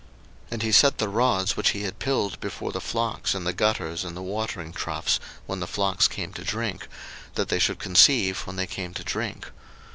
01:030:038 And he set the rods which he had pilled before the flocks in the gutters in the watering troughs when the flocks came to drink, that they should conceive when they came to drink.